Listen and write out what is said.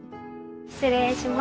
失礼しまーす。